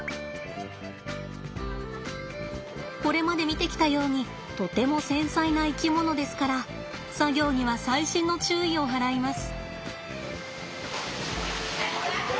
これまで見てきたようにとても繊細な生き物ですから作業には細心の注意を払います。